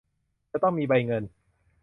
จะต้องมีใบเงิน